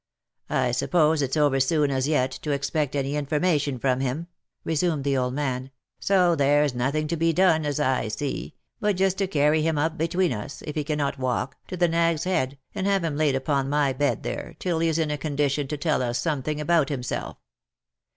" I suppose it's oversoon as yet, to expect any information from him," resumed the old man, " so there's nothing to be done, as I see, but just to carry him up between us, if he cannot walk, to the Nag's Head, and have him laid upon my bed there, till hejs in a condition to tell us something about himself.